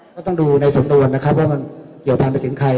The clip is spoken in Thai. ก็ต้องดูในสำนวนนะครับว่ามันเกี่ยวพันไปถึงใคร